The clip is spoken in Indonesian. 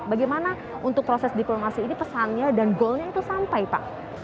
bagaimana untuk proses diplomasi ini pesannya dan goalnya itu sampai pak